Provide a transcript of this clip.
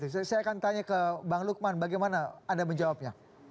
saya akan tanya ke bang lukman bagaimana anda menjawabnya